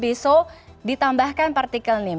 biso ditambahkan partikel nim